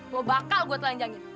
lo bakal gue telanjangin